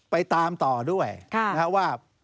ไปตามต่อด้วยนะครับว่า